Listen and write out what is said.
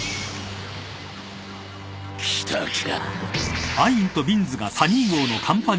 来たか。